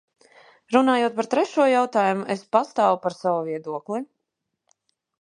Runājot par trešo jautājumu, es pastāvu par savu viedokli.